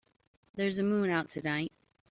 There's a moon out tonight.